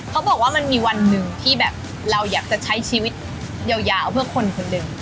เขาบอกว่ามันมีวันหนึ่งที่แบบเราอยากจะใช้ชีวิตยาวเพื่อคนคนหนึ่ง